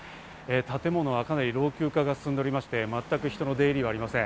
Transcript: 建物は、かなり老朽化が進んでおりまして全く人の出入りはありません。